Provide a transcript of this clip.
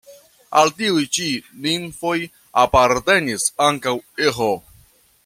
Al tiuj ĉi nimfoj apartenis ankaŭ Eĥo.